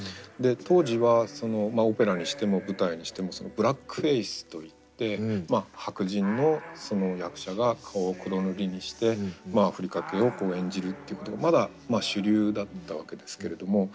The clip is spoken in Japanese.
で当時はオペラにしても舞台にしてもブラックフェースといって白人の役者が顔を黒塗りにしてアフリカ系を演じるっていうことがまだ主流だったわけですけれども。